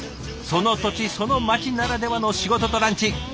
その土地その町ならではの仕事とランチ。